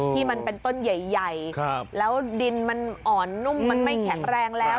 ที่มันเป็นต้นใหญ่แล้วดินมันอ่อนนุ่มมันไม่แข็งแรงแล้ว